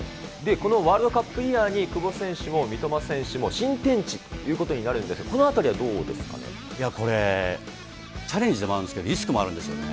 このワールドカップイヤーに久保選手も、三笘選手も新天地ということになるんです、このあたりはどうですいや、これ、チャレンジでもあるんですけど、リスクもあるんですよね。